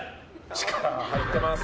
力が入ってます。